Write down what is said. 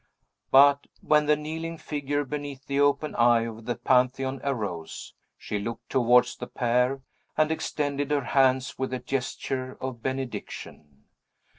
But when the kneeling figure beneath the open eye of the Pantheon arose, she looked towards the pair and extended her hands with a gesture of benediction.